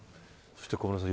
小室さん